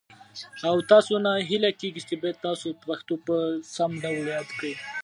شمال به پاڼه لا پسې تازه کړي.